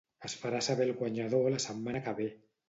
Es farà saber el guanyador la setmana que ve.